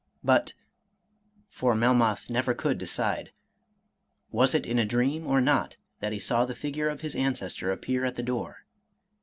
But (for Melmoth never could decide) was it in a dream or not, that he saw the figure of his ancestor appear at the door